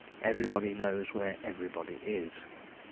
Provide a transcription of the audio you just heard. Everybody knows where everybody is.